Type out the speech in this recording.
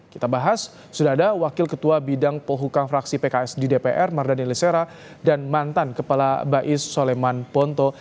kita bahas sudah ada wakil ketua bidang pohukam fraksi pks di dpr mardani lisera dan mantan kepala bais soleman ponto